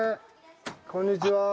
こんにちは。